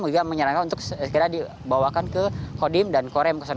juga menyerangkan untuk dibawakan ke kodim dan korem enam ratus sebelas eva